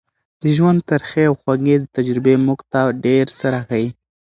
د ژوند ترخې او خوږې تجربې موږ ته ډېر څه راښيي.